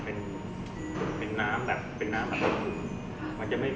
มันประกอบกันแต่ว่าอย่างนี้แห่งที่